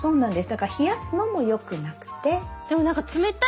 だから冷やすのもよくなくて。